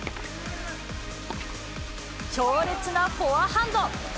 強烈なフォアハンド。